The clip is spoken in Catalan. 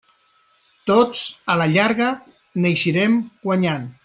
Tots, a la llarga, n'eixirem guanyant.